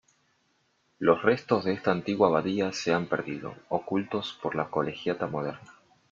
Los restos de esta antigua abadía se han perdido, ocultos por la colegiata moderna.